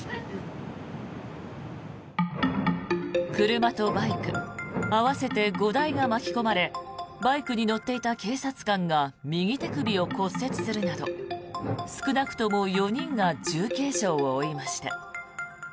車とバイク合わせて５台が巻き込まれバイクに乗っていた警察官が右手首を骨折するなど少なくとも４人が重軽傷を負いました。